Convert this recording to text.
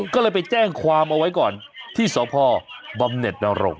ก็เลยไปแจ้งความเอาไว้ก่อนที่สพบำเน็ตนรงค